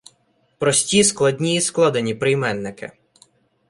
Прості, складні і складені прийменники